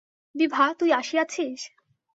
বিভা, তুই আসিয়াছিস?